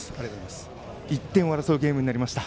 １点を争うゲームになりました。